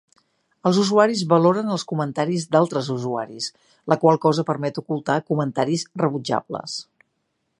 Els usuaris valoren els comentaris d'altres usuaris, la qual cosa permet ocultar comentaris rebutjables.